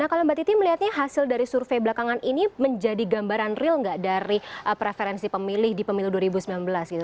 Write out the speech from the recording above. nah kalau mbak titi melihatnya hasil dari survei belakangan ini menjadi gambaran real nggak dari preferensi pemilih di pemilu dua ribu sembilan belas gitu